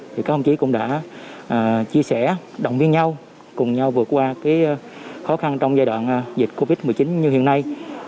các đồng chí cũng đã chia sẻ động viên nhau cùng nhau vượt qua cái khó khăn trong giai đoạn dịch covid một mươi chín như hiện nay